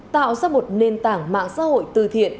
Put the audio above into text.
tạo ra một nền tảng mạng xã hội từ thiện